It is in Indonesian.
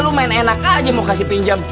lu main enak aja mau kasih pinjam